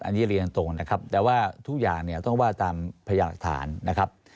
อันนี้เรียนตรงนะครับแต่ว่าทุกอย่างเนี่ยต้องว่าตามพยาหลักฐานนะครับ